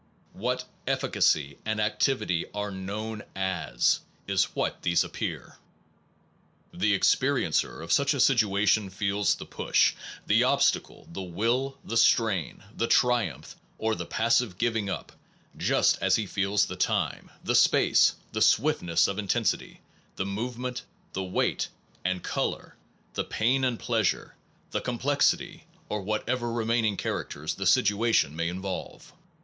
What effi cacy and activity are known as is what these appear. 211 SOME PROBLEMS OF PHILOSOPHY The experiencer of such a situation feels the push, the obstacle, the will, the strain, the triumph, or the passive giving up, just as he feels the time, the space, the swiftness of intens ity, the movement, the weight and color, the pain and pleasure, the complexity, or what ever remaining characters the situation may involve.